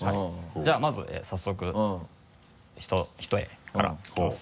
じゃあまず早速一重からいきます。